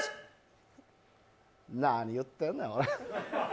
何言ってんの、俺。